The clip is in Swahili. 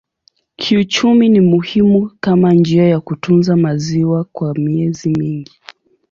Kiuchumi ni muhimu kama njia ya kutunza maziwa kwa miezi mingi.